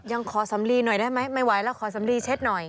ยังขอสำลีหน่อยได้ไหมไม่ไหวแล้วขอสำลีเช็ดหน่อย